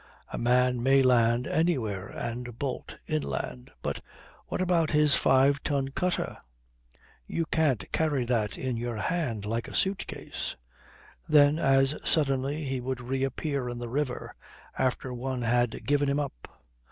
A man may land anywhere and bolt inland but what about his five ton cutter? You can't carry that in your hand like a suit case. "Then as suddenly he would reappear in the river, after one had given him up.